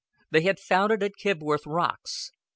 They had found it at Kibworth Rocks.